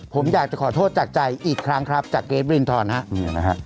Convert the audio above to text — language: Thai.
ผมอยากจะขอโทษจากใจอีกครั้งครับจากเกรทวิรินทรฮะ